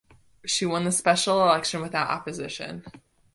She won the special election without opposition.